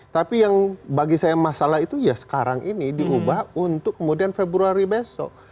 tapi yang bagi saya masalah itu ya sekarang ini diubah untuk kemudian februari besok